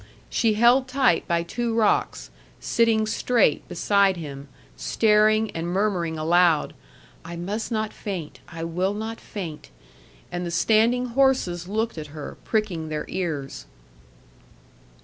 She held tight by two rocks, sitting straight beside him, staring, and murmuring aloud, "I must not faint; I will not faint;" and the standing horses looked at her, pricking their ears.